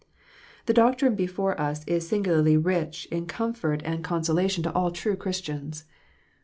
The doctrine before us is singularly rich in comfort and con 204 KNOTS UNTIED. solation to all true Christians.